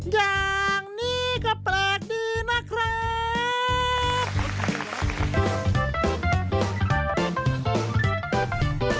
อย่างนี้ก็แปลกดีนะครับ